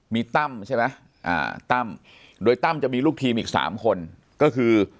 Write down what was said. มีตั้มใช่ไหมตั้มโดยตั้มจะมีลูกทีมอีก๓คนก็คือ